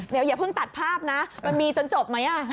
เดี๋ยวอย่าเพิ่งตัดภาพนะมันมีจนจบไหม